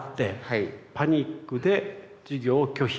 パニックで授業を拒否。